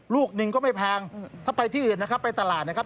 ลูกหนึ่งก็ไม่แพงถ้าไปที่อื่นนะครับไปตลาดนะครับ